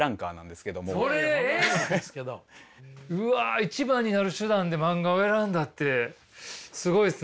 うわ一番になる手段で漫画を選んだってすごいっすね。